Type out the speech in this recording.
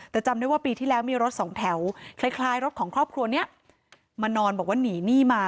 แต่จำได้ว่าปีที่แล้วมีรถสองแถวคล้ายรถของครอบครัวนี้มานอนบอกว่าหนีหนี้มา